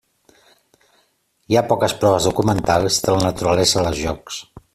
Hi ha poques proves documentals de la naturalesa dels jocs.